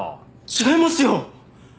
違いますよ。